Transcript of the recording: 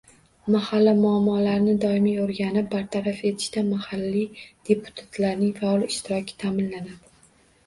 Mahalla muammolarini doimiy o‘rganib, bartaraf etishda mahalliy deputatlarning faol ishtiroki ta’minlanadi.